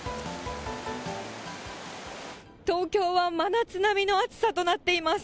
東京は真夏並みの暑さとなっています。